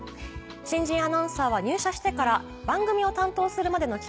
新人アナウンサーは入社してから番組を担当するまでの期間